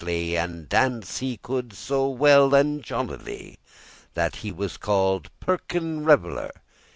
* *daintily And dance he could so well and jollily, That he was called Perkin Revellour.